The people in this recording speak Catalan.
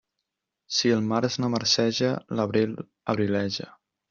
Si el març no marceja, l'abril abrileja.